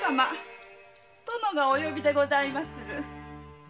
殿がお呼びでございまする。